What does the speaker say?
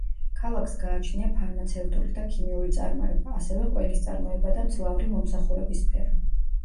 ქალაქს გააჩნია ფარმაცევტული და ქიმიური წარმოება, ასევე ყველის წარმოება და მძლავრი მომსახურების სფერო.